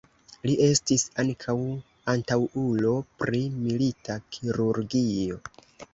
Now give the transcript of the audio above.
Li estis ankaŭ antaŭulo pri milita kirurgio.